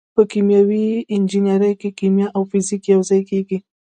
په کیمیاوي انجنیری کې کیمیا او فزیک یوځای کیږي.